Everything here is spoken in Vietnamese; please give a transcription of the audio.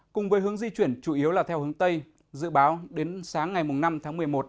cùng với hướng di chuyển chủ yếu là theo hướng tây dự báo đến sáng ngày năm tháng một mươi một